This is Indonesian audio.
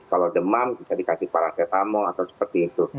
kalau demam bisa dikasih paracetamol atau seperti itu